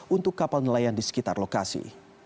untuk kapal nelayan di sekitar lokasi